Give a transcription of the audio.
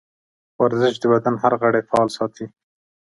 ورزش د بدن هر غړی فعال ساتي.